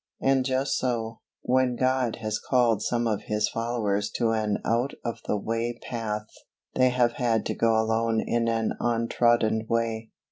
And just so, when God has called some of His followers to an out of the way path, they have had to go alone in an untrodden way.